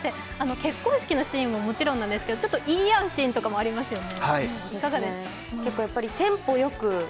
結婚式のシーンはもちろんなんですけど、言い合うシーンもありましたよね。